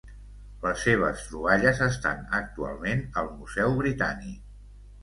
Les seves troballes estan actualment al Museu Britànic.